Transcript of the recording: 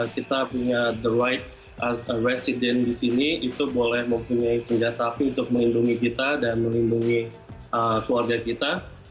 kita punya the rights resident di sini itu boleh mempunyai senjata api untuk melindungi kita dan melindungi keluarga kita